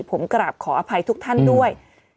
ผมกราบขออภัยทุกท่านด้วย